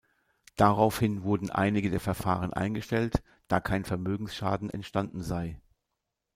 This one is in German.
Daraufhin wurden einige der Verfahren eingestellt, da kein Vermögensschaden entstanden sei.